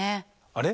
あれ？